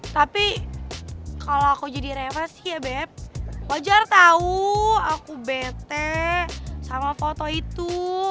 tapi kalau aku jadi rewes ya beb wajar tahu aku bete sama foto itu